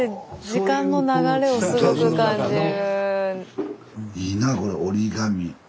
時間の流れをすごく感じる。